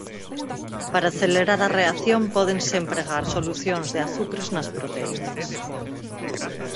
Para acelerar a reacción pódense empregar solucións de azucres nas proteínas.